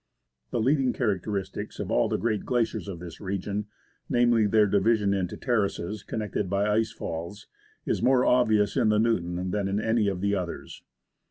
The leading characteristic of all the great glaciers of this region — namely their division into terraces connected by ice falls — is more obvious in the Newton than in any of the others.